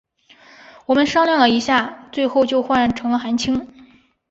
我们商量了一下最后就换成了韩青。